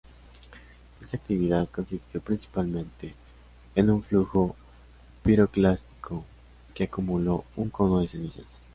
Esta actividad consistió principalmente en un flujo piroclástico que acumuló un cono de cenizas.